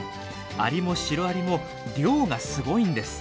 アリもシロアリも量がすごいんです。